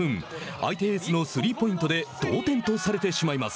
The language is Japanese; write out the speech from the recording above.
相手エースのスリーポイントで同点とされてしまいます。